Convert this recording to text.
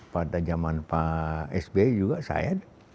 pada zaman pak sby juga saya